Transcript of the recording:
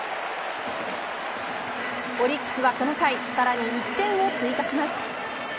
オリックスはこの回さらに１点を追加します。